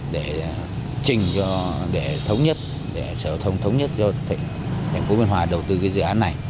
để trình để thống nhất để sở thông thống nhất cho thành phố biên hòa đầu tư cái dự án này